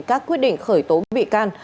các quyết định khởi tố bị can